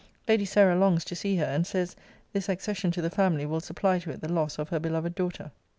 Lady Sarah longs to see her; and says, This accession to the family will supply to it the loss of her beloved daughter.